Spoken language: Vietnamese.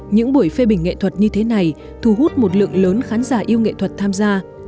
những buổi phê bình nghệ thuật như thế này thu hút một lượng lớn khán giả yêu nghệ thuật tham gia